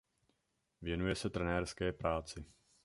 Věnuje se trenérské práci.